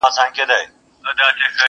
دا د پېړيو اتل مه ورانوی!!